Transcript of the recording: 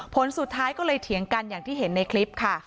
ผลสุดท้ายก็เลยเถียงกันอย่างที่เห็นในคลิปค่ะ